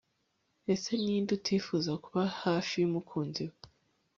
ese ni nde utifuza kuba hafi y'umukunzi we